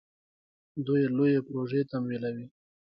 دوی لویې پروژې تمویلوي.